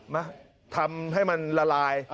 มาทำให้มันละลาย